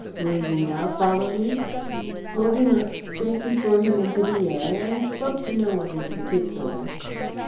"Will you now follow me?" Wogan looked straight before him into the air and spoke to no one in particular.